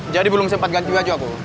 jadi belum sempat ganti wajahku